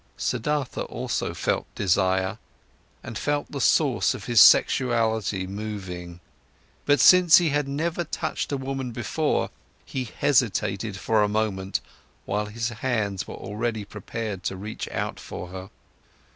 Siddhartha also felt desire and felt the source of his sexuality moving; but since he had never touched a woman before, he hesitated for a moment, while his hands were already prepared to reach out for her.